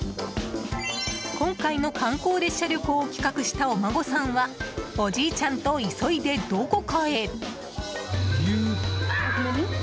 今回の観光列車旅行を企画したお孫さんはおじいちゃんと急いでどこかへ。